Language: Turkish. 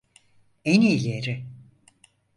En iyileri.